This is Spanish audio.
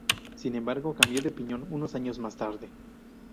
Sin embargo, cambió de opinión unos años más tarde.